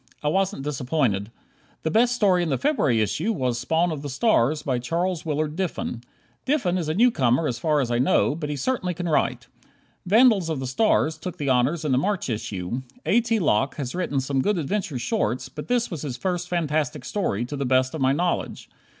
I wasn't disappointed. The best story in the February issue was "Spawn of the Stars," by Charles Willard Diffin. Diffin is a newcomer as far as I know, but he certainly can write. "Vandals of the Stars" took the honors in the March issue. A. T. Locke has written some good adventure shorts, but this was his first fantastic story, to the best of my knowledge.